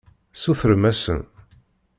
Sutrem-asen.